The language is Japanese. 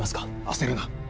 焦るな。